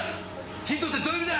ヒントってどういう意味だ！？